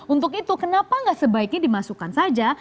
untuk itu kenapa nggak sebaiknya dimasukkan saja